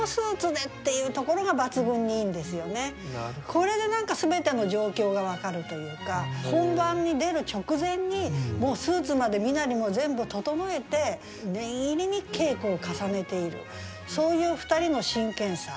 これで何か全ての状況が分かるというか本番に出る直前にもうスーツまで身なりも全部整えて念入りに稽古を重ねているそういう２人の真剣さ。